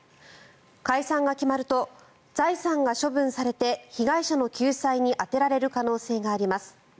解散が決まると財産が処分されて被害者の救済に充てられる可能性があります。